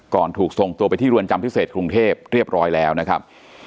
ถูกส่งตัวไปที่เรือนจำพิเศษกรุงเทพเรียบร้อยแล้วนะครับ